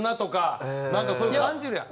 何かそういうの感じるやん。